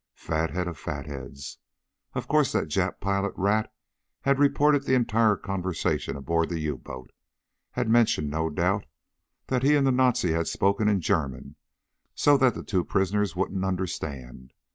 Fathead of fatheads. Of course that Jap pilot rat had reported the entire conversation aboard the U boat. Had mentioned, no doubt, that he and the Nazi had spoken in German so that the two prisoners wouldn't understand.